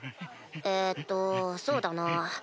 えっとそうだな。